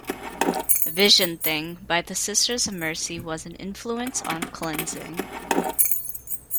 "Vision Thing" by The Sisters of Mercy was an influence on "Cleansing".